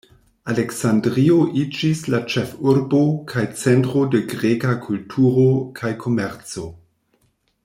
Aleksandrio iĝis la ĉefurbo kaj centro de greka kulturo kaj komerco.